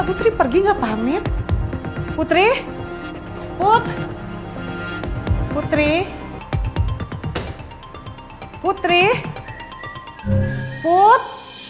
putri put putri putri put